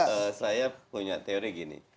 ya saya punya teori gini